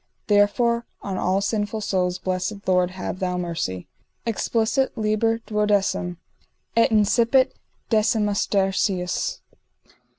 Therefore on all sinful souls blessed Lord have thou mercy._ _Explicit liber xii. Et incipit Decimustercius.